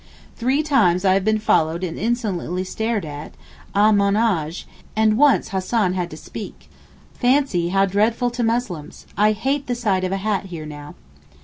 Three times I have been followed and insolently stared at (à mon age)!! and once Hassan had to speak. Fancy how dreadful to Muslims! I hate the sight of a hat here now.